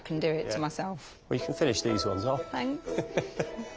はい。